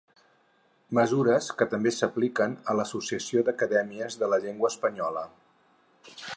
Mesures que també s'apliquen a l'Associació d'Acadèmies de la Llengua Espanyola.